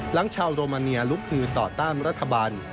ชาวโรมาเนียลุกมือต่อต้านรัฐบาล